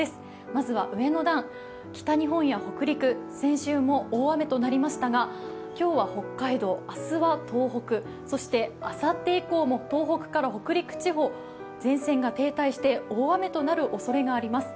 まずは上の段、北日本や北陸、先週も大雨となりましたが、今日は北海道、明日は東北、そしてあさって以降も東北から北陸地方、前線が停滞して大雨となるおそれがあります。